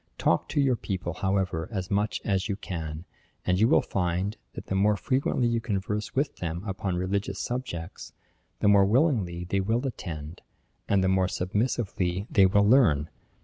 Talk to your people, however, as much as you can; and you will find, that the more frequently you converse with them upon religious subjects, the more willingly they will attend, and the more submissively they will learn.